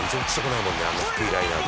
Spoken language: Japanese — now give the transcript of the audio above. あんな低いライナーで」